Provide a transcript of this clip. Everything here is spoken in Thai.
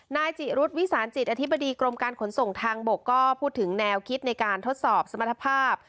นายจิรุษวิสานจิตอธิบดีกรมการขนส่งทางบกก็พูดถึงแนวคิดในการทดสอบสมรรถภาพ